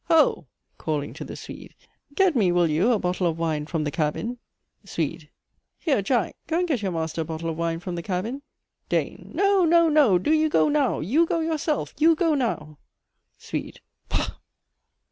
Ho! (calling to the Swede) get me, will you, a bottle of wine from the cabin. SWEDE. Here, Jack! go and get your master a bottle of wine from the cabin. DANE. No, no, no! do you go now you go yourself you go now! SWEDE. Pah!